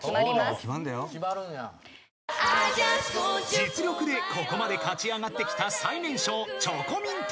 ［実力でここまで勝ちあがってきた最年少チョコミン党］